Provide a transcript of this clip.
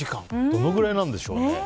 どのくらいなんでしょうね。